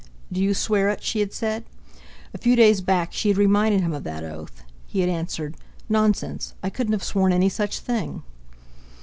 "Do you swear it?" she had said. A few days back she had reminded him of that oath. He had answered: "Nonsense! I couldn't have sworn any such thing!"